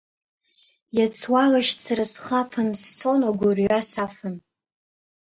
Иац уа алашьцара схаԥан, Сцон агәырҩа сафан.